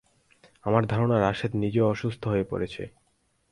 আমার ধারণা, রাশেদ নিজেও অসুস্থ হয়ে পড়েছে।